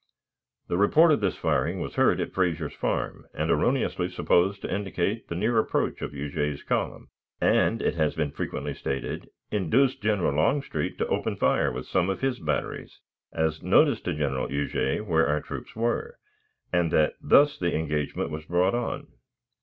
The report of this firing was heard at Frazier's Farm, and erroneously supposed to indicate the near approach of Huger's column, and, it has been frequently stated, induced General Longstreet to open fire with some of his batteries as notice to General Huger where our troops were, and that thus the engagement was brought on.